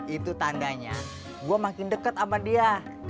itu tandanya gua makin deket sama dia